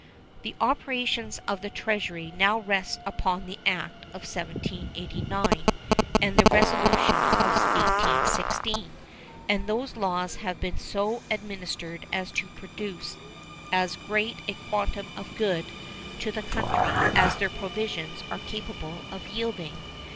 The operations of the Treasury now rest upon the act of 1789 and the resolution of 1816, and those laws have been so administered as to produce as great a quantum of good to the country as their provisions are capable of yielding.